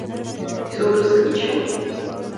Jsou dost k ničemu.